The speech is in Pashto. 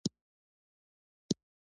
چې انسان د ګناه پۀ وېره کښې اچوي